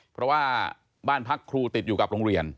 เพราะว่าบ้านพักครูติดอยู่กับโรงเรียน